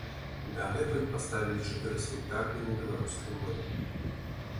Дагэтуль паставілі чатыры спектаклі на беларускай мове.